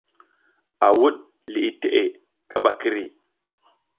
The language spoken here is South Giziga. A wuɗ liʼi teʼe kaɓa kiri.